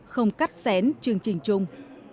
không cắt xén chương trình chung